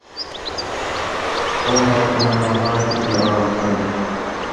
بۇ ھال ئۇنى ناھايىتى بىئارام قىلدى.